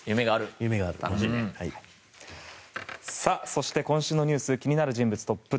そして、今週のニュース気になる人物トップ１０。